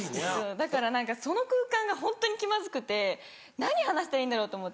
だから何かその空間がホントに気まずくて何話したらいいんだろうと思って。